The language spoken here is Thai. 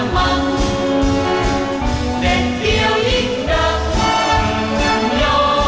เมืองไทย